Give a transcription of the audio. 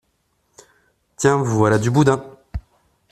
Tiens voilà du boudin.